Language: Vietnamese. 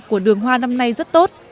của đường hoa năm nay rất tốt